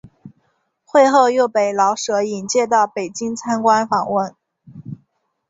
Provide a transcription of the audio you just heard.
会后又被老舍引介到北京参观访问。